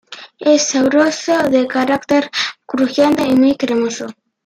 Es sabroso de carácter, crujiente y muy cremoso.